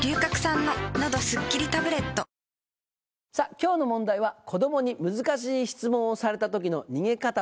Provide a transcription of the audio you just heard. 今日の問題は「子供に難しい質問をされた時の逃げ方」とは。